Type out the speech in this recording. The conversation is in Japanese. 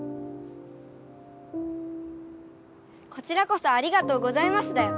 こちらこそありがとうございますだよ。